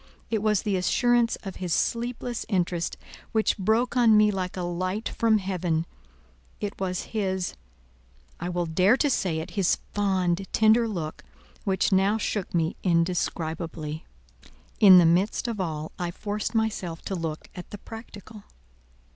It was the assurance of his sleepless interest which broke on me like a light from heaven; it was his—I will dare to say it—his fond, tender look, which now shook me indescribably. In the midst of all I forced myself to look at the practical.